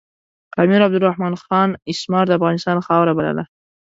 امیر عبدالرحمن خان اسمار د افغانستان خاوره بلله.